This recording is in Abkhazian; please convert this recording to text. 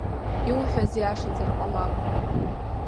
Иуҳәаз иашазар ҟалап…